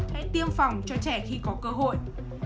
hãy tiêm phòng cho trẻ khi có cơ hội